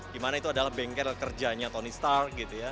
di mana itu adalah bengkel kerjanya tony stark